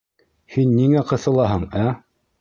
Һин ниңә ҡыҫылаһың, ә?